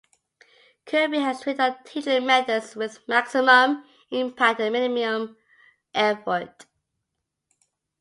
Kirby has written on teaching methods with maximum impact and minimum effort.